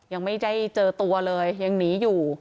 ยังไม่ได้เจอตัวเลยยังหนีอยู่